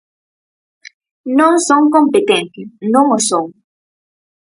Non son competencia, non o son.